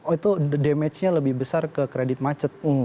itu damage nya lebih besar ke kredit macet